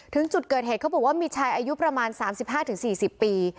ถึงจุดเกิดเหตุเขาบอกว่ามีชายอายุประมาณสามสิบห้าถึงสี่สิบปี